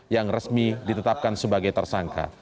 yang resmi ditetapkan sebagai tersangka